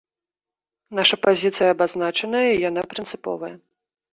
Наша пазіцыя абазначаная, і яна прынцыповая.